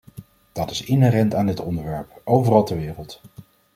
Dat is inherent aan dit onderwerp, overal ter wereld.